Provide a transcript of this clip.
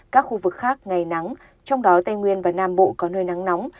các khu vực khác ngày nắng trong đó tây nguyên và nam bộ có nơi nắng nóng